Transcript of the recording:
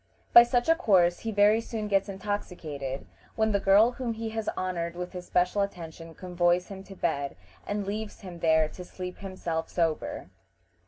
By such a course he very soon gets intoxicated, when the girl whom he has honored with his special attention convoys him to bed, and leaves him there to sleep himself sober.